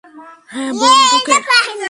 হ্যাঁ, বন্দুকের।